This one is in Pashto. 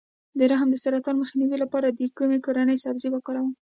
د رحم د سرطان مخنیوي لپاره د کومې کورنۍ سبزي وکاروم؟